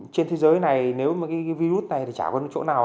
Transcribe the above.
trên thế giới này nếu virus này chả có chỗ nào